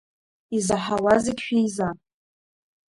Изаҳауа зегь шәеиза!